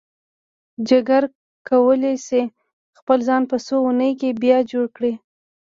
جگر کولی شي خپل ځان په څو اونیو کې بیا جوړ کړي.